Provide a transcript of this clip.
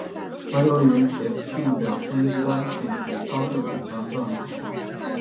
而由于杰佛逊的婚姻关系处于高度紧张状态。